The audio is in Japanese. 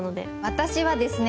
私はですね